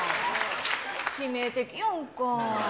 致命的やんか。